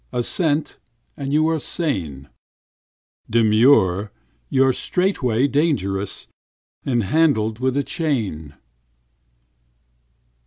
Assent, and you are sane; Demur,—you 're straightway dangerous, And handled with a chain.